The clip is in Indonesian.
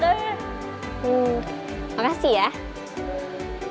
terima kasih ya